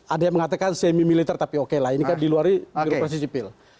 ada yang mengatakan semi militer tapi oke lah ini kan diluarin birokrasi sipil